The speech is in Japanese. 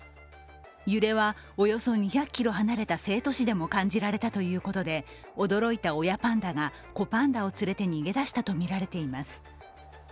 揺れはおよそ２００ｋｍ離れた成都市でも感じられたということで、驚いた親パンダが子パンダを連れて逃げ出したとみられています。